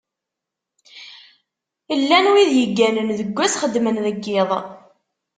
Llan wid yegganen deg ass, xeddmen deg iḍ.